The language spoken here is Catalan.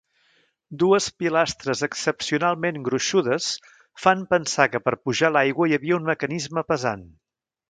Dues pilastres excepcionalment gruixudes fan pensar que per pujar l'aigua hi havia un mecanisme pesant.